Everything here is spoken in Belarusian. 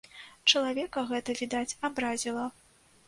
Чалавека гэта, відаць, абразіла.